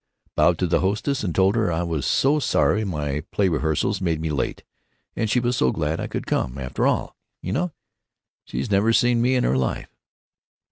Bowed to the hostess and told her I was so sorry my play rehearsals made me late, and she was so glad I could come, after all—you know. She's never seen me in her life."